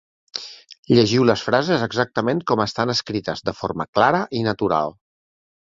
Llegiu les frases exactament com estan escrites, de forma clara i natural.